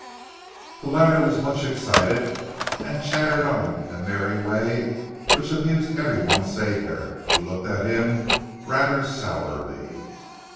The latter was much excited and chattered on in a merry way which amused everyone save Herrick, who looked at him rather sourly.